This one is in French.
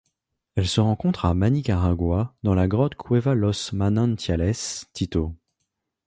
Elle se rencontre à Manicaragua dans la grotte Cueva Los Manantiales-Tito.